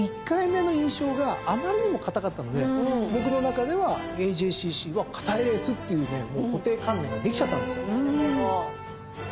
１回目の印象があまりにも堅かったので僕の中ではＡＪＣＣは堅いレースっていうね固定観念ができちゃったんですよ。